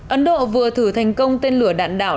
ấn độ vừa thử thành công tên lửa đạn đảo